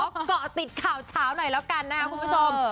เกาะติดข่าวเช้าหน่อยแล้วกันนะครับคุณผู้ชม